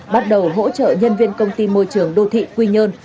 bắt đầu hỗ trợ nhân viên công ty môi trường đô thị quy nhơn